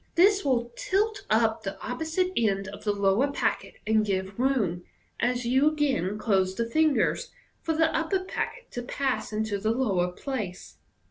This will tilt up the opposite end of the lower packet, and give room, as you again close the fingers, for the upper packet to pass into the lower place.